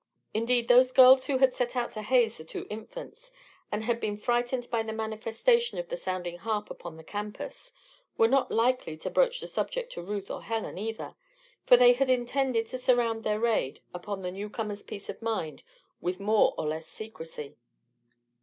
Indeed, those girls who had set out to haze the two Infants, and had been frightened by the manifestation of the sounding harp upon the campus, were not likely to broach the subject to Ruth or Helen, either. For they had intended to surround their raid upon the new comers' peace of mind with more or less secrecy.